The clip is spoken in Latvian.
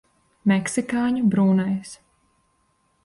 Meksikāņu brūnais.